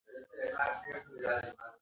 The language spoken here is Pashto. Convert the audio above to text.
کله چې د بدن غده غوړ تولیدوي، بوی پیدا کېږي.